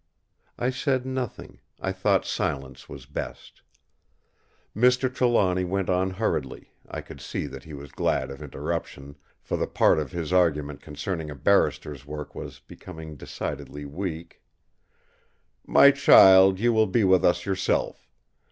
I said nothing; I thought silence was best. Mr. Trelawny went on hurriedly; I could see that he was glad of interruption, for the part of his argument concerning a barrister's work was becoming decidedly weak: "My child, you will be with us yourself.